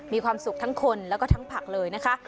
มีความสุขทั้งคนแล้วก็ทั้งผักเลยนะคะ